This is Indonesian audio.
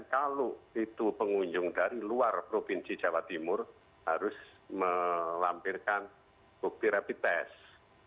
dan kalau itu pengunjung dari luar provinsi jawa timur harus melampirkan bukti rapid test